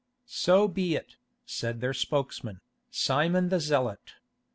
"So be it," said their spokesman, Simon the Zealot.